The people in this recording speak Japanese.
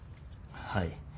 はい。